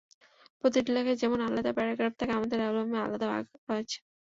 প্রতিটি লেখায় যেমন আলাদা প্যারাগ্রাফ থাকে, আমাদের অ্যালবামে আলাদা ভাগ রয়েছে।